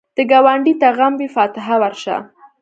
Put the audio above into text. که ګاونډي ته غم وي، فاتحه ورشه